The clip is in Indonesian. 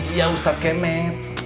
iya ustadz kemet